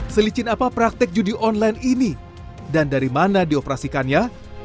selicin apa praktek judi online ini dan dari mana dioperasikannya